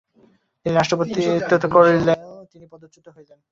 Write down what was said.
তিনি রাষ্ট্রপতিত্ব করলেও তিনি পদচ্যুত হন।